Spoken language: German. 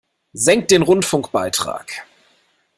Senkt den Rundfunkbeitrag!